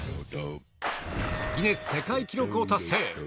ギネス世界記録を達成。